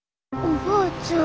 おばあちゃん。